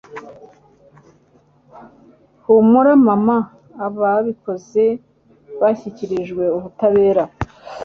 humura mama ababikoze bashyikirijwe ubutabera